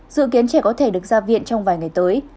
dự kiến trẻ có thể được ra viện trong vài ngày tới